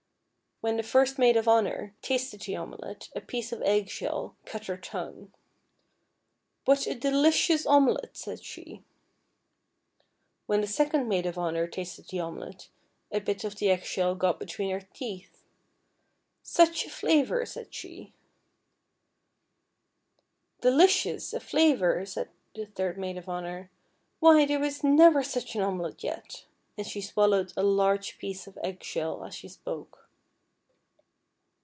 When the first maid of honour tasted the omelet a piece of egg shell cut her tongue. " What a delicious omelet," said she. When the second maid of honour tasted the omelet, a bit of the egg shell got between her teeth. " Such a flavour," said she. "Delicious! a flavour!" said the third maid of honour ;" why, there never was such an omelet yet ;" and she swallowed a large piece of egg shell as she spoke.